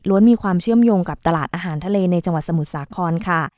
มีความเชื่อมโยงกับตลาดอาหารทะเลในจังหวัดสมุทรสาครค่ะ